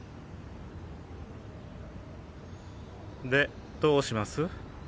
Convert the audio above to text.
でどうします？